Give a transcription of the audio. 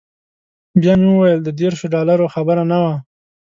بیا به مې ویل د دیرشو ډالرو خبره نه وه.